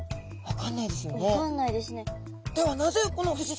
分かんないですね。